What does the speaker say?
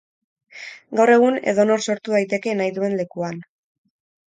Gaur egun edonor sortu daiteke nahi duen lekuan.